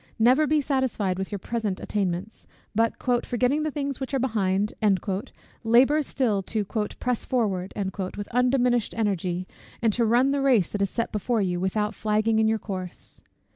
Never be satisfied with your present attainments; but "forgetting the things which are behind," labour still to "press forward" with undiminished energy, and to run the race that is set before you without flagging in your course.